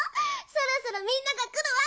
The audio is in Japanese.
そろそろみんながくるわ。